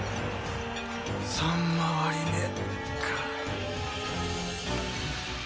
三回り目か。